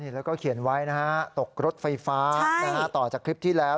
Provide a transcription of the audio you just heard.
แล้วก็เขียนไว้นะฮะตกรถไฟฟ้าต่อจากคลิปที่แล้ว